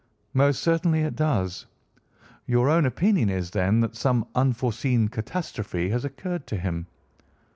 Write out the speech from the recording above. "Most certainly it does. Your own opinion is, then, that some unforeseen catastrophe has occurred to him?"